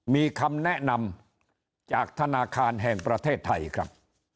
มีคำแนะนำจากธนาคารแห่งประเทศไทยครับ